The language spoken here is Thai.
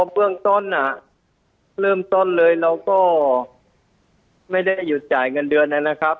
เบื้องต้นเริ่มต้นเลยเราก็ไม่ได้หยุดจ่ายเงินเดือนนะครับ